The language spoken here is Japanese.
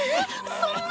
そんな！